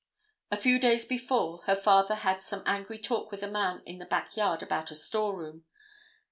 A few days before, her father had some angry talk with a man in the back yard about a storeroom.